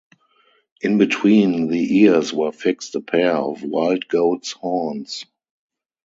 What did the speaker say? In between the ears were fixed a pair of wild goat's horns.